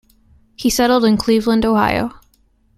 He settled in Cleveland, Ohio.